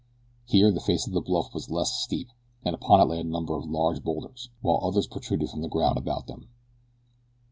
Here the face of the bluff was less steep and upon it lay a number of large bowlders, while others protruded from the ground about them.